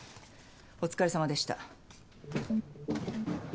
お疲れさまでした。